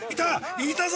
いたぞ！